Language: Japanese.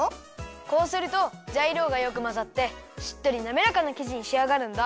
こうするとざいりょうがよくまざってしっとりなめらかなきじにしあがるんだ。